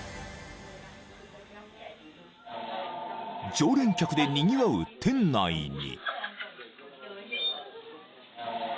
［常連客でにぎわう店内に］